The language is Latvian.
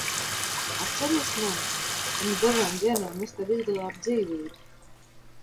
Atceries mani, pirms dažām dienām es tev izglābu dzīvību?